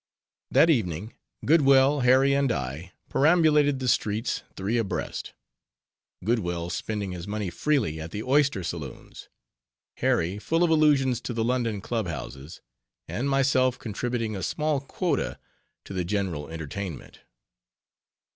That evening, Goodwell, Harry, and I, perambulated the streets, three abreast:—Goodwell spending his money freely at the oyster saloons; Harry full of allusions to the London Clubhouses: and myself contributing a small quota to the general entertainment.